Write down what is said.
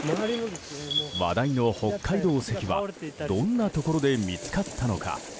話題の北海道石はどんなところで見つかったのか。